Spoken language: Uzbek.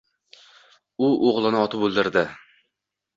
U o’g’lingni otib o’ldirdi!